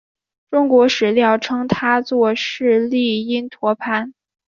中国史料称他作释利因陀盘。